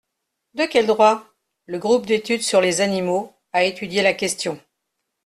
De quel droit ? Le groupe d’études sur les animaux a étudié la question.